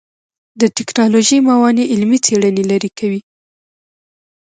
د ټکنالوژۍ موانع علمي څېړنې لرې کوي.